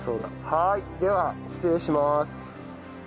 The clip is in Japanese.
はいでは失礼します。